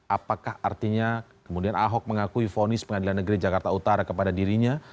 apakah artinya kemudian ahok mengakui fonis pengadilan negeri jakarta utara kepada dirinya